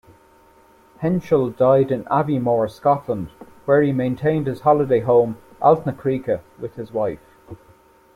Henschel died in Aviemore, Scotland, where he maintained his holiday-home "Alltnacriche" with his wife.